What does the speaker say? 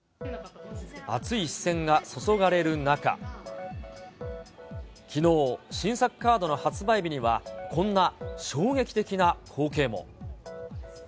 熱い視線が注がれる中、きのう、新作カードの発売日にはこんな衝撃的な光景も。